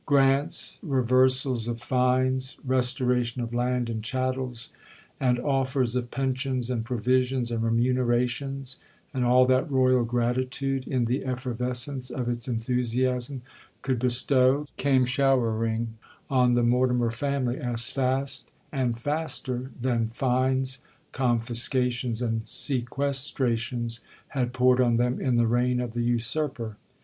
Grants, reversals of fines, restoration of land and chattels, and offers of pensions, and provisions, and remunerations, and all that royal gratitude, in the effervescence of its enthusiasm, could bestow, came showering on the Mortimer family, as fast and faster than fines, confiscations, and sequestrations, had poured on them in the reign of the usurper.